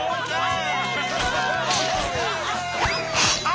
あ！